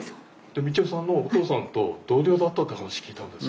道代さんのお父さんと同僚だったって話聞いたんです。